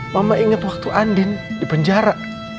mama ingat waktu andin di penjara